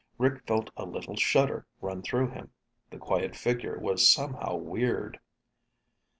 Rick felt a little shudder run through him. The quiet figure was somehow weird.